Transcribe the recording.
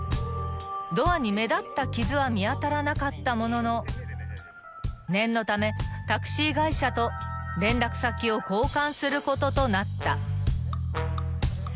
［ドアに目立った傷は見当たらなかったものの念のためタクシー会社と連絡先を交換することとなった］